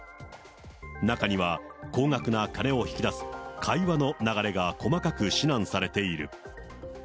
中には高額な金を引き出す会話の流れが細かく指南されている。